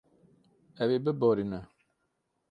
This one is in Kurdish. Ew ê biborîne.